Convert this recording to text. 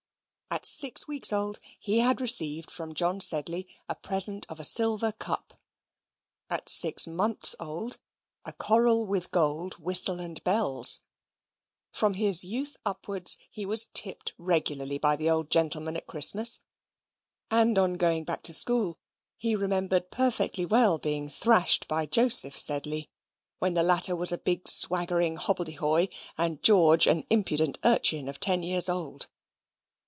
At six weeks old, he had received from John Sedley a present of a silver cup; at six months old, a coral with gold whistle and bells; from his youth upwards he was "tipped" regularly by the old gentleman at Christmas: and on going back to school, he remembered perfectly well being thrashed by Joseph Sedley, when the latter was a big, swaggering hobbadyhoy, and George an impudent urchin of ten years old.